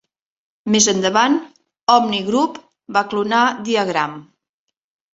Més endavant, OmniGroup va clonar Diagram!